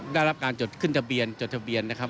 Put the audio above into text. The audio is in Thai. ได้รับการจดขึ้นทะเบียนจดทะเบียนนะครับ